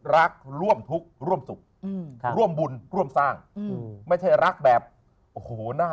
รักร่วมทุกข์ร่วมสุขอืมร่วมบุญร่วมสร้างอืมไม่ใช่รักแบบโอ้โหน่า